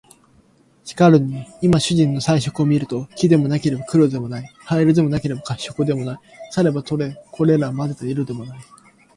しかるに今主人の彩色を見ると、黄でもなければ黒でもない、灰色でもなければ褐色でもない、さればとてこれらを交ぜた色でもない